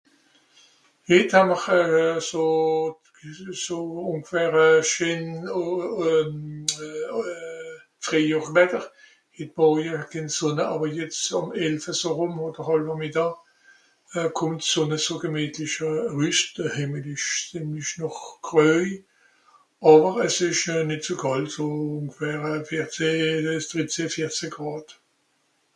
Hitt haa-m'r euh... so... so... ùngfähr scheen... euh... euh... Fìehjohrwetter. Hitt Morje het ken Sùnna àwer jetz (...) ùn hàlwer Midàà kùmmt d'Sùnne so gemìetlich rüs. De Hìmmel ìsch zìemlich noch gröi, àwer es ìsch euh... nìt so kàlt, so ùngfähr vìerzeh, drittzeh, vìerzeh Gràd